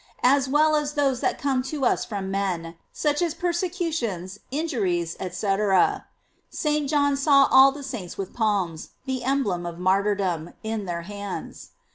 as well as those that come to us from men, such as per secutions, injuries, <fcc. St. John saw all the saints with palms, the emblem of martyrdom, in their hands.